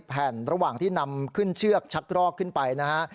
แผ่นระหว่างที่นำขึ้นเชือกชักรอกขึ้นไปนะฮะ